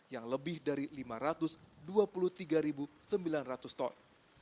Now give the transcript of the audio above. yang lebih dari lima ratus dua puluh tiga sembilan ratus ton